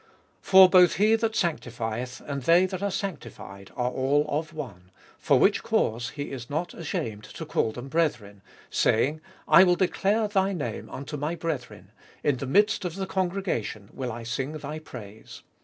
For both He that sanctifleth and they that are sanctified are all of1 One: for which cause he is not ashamed to call them brethren, saying (Ps. xxii. 23), 12. I will declare thy name unto my" brethren, In the midst of the congregation will I sing thy praise.